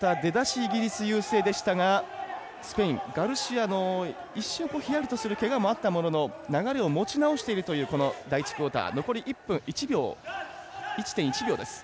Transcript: イギリスが優勢でしたがスペイン、ガルシアの一瞬、ひやりとするけがもあったものの流れも持ち直しているというこの第１クオーター。